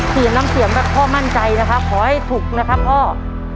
น้ำเสียงแบบพ่อมั่นใจนะครับขอให้ถูกนะครับพ่อ